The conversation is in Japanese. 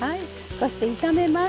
そして炒めます。